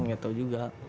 gak tau juga